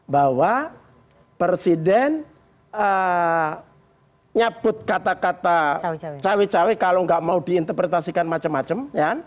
bahwa presiden nyaput kata kata cawi cawi kalau tidak mau diinterpretasikan macam macam